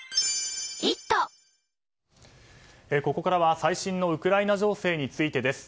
ここからは最新のウクライナ情勢についてです。